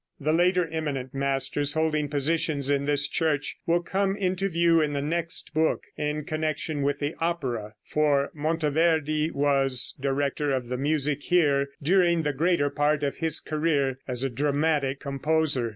The later eminent masters holding positions in this church will come into view in the next book, in connection with the opera, for Monteverde was director of the music here during the greater part of his career as a dramatic composer.